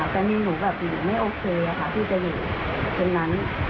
แต่มีหนูแบบหนูไม่โอเคค่ะที่จะอยู่ตรงนั้น